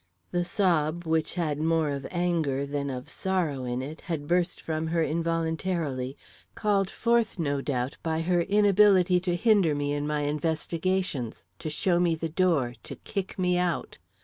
The sob, which had more of anger than of sorrow in it, had burst from her involuntarily, called forth, no doubt, by her inability to hinder me in my investigations, to show me the door, to kick me out.